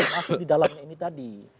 masuk di dalamnya ini tadi